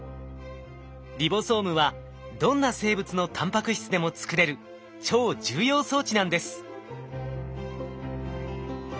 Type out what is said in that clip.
リボソームはどんな生物のタンパク質でも作れる超重要装置なんです。